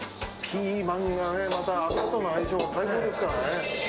ピーマンが、また油との相性が最高ですから。